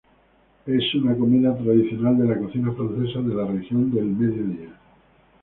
Es una comida tradicional de la cocina francesa de la región del Mediodía.